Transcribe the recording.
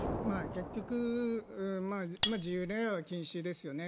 結局、自由恋愛は禁止ですよね。